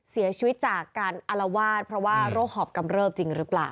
เสียชีวิตจากการอลวาดเพราะว่าโรคหอบกำเริบจริงหรือเปล่า